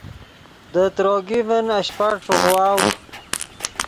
دے تروگی ڤین اشپہ ݯیغواؤ